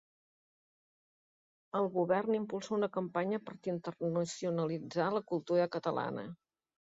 El govern impulsa una campanya per internacionalitzar la cultura catalana.